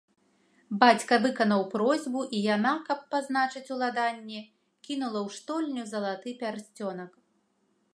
Бацька выканаў просьбу і яна, каб пазначыць уладанне, кінула ў штольню залаты пярсцёнак.